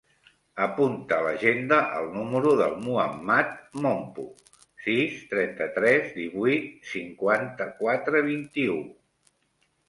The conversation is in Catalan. Apunta a l'agenda el número del Muhammad Mompo: sis, trenta-tres, divuit, cinquanta-quatre, vint-i-u.